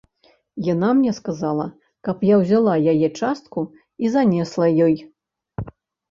Яна мне сказала, каб я ўзяла яе частку і занесла ёй.